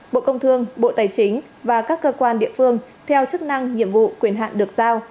bộ công thương bộ tài chính và các cơ quan địa phương theo chức năng nhiệm vụ quyền hạn được giao